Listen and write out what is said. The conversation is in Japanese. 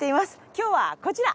今日はこちら。